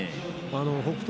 北勝